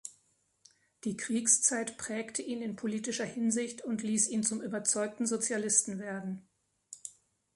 Die Kriegszeit prägte ihn in politischer Hinsicht und ließ ihn zum überzeugten Sozialisten werden.